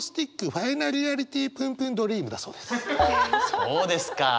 そうですかあ。